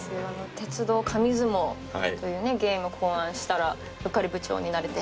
鉄道紙相撲というゲーム考案したらうっかり部長になれて。